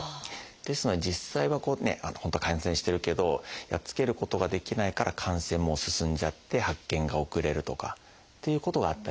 ですので実際はこう本当は感染してるけどやっつけることができないから感染も進んじゃって発見が遅れるとかっていうことがあったりします。